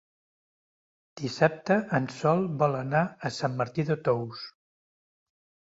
Dissabte en Sol vol anar a Sant Martí de Tous.